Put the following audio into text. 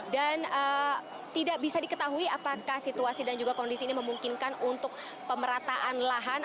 dan tidak bisa diketahui apakah situasi dan juga kondisi ini memungkinkan untuk pemerataan lahan